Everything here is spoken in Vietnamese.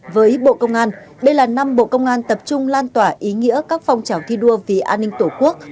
với bộ công an đây là năm bộ công an tập trung lan tỏa ý nghĩa các phong trào thi đua vì an ninh tổ quốc